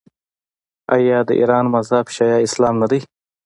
آیا د ایران مذهب شیعه اسلام نه دی؟